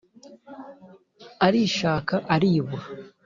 arishaka aribura